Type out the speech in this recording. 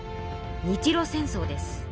日露戦争です。